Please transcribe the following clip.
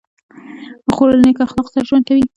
خور له نیک اخلاقو سره ژوند کوي.